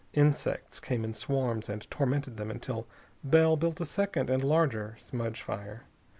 Insects came in swarms and tormented them until Bell built a second and larger smudge fire.